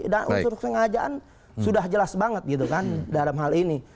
dan unsur sengajaan sudah jelas banget gitu kan dalam hal ini